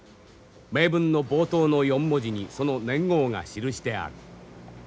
銘文の冒頭の４文字にその年号が記してある。